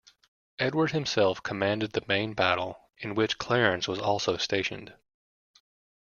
Edward himself commanded the main battle, in which Clarence was also stationed.